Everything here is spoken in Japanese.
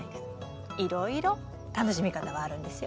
いろいろ楽しみ方はあるんですよ。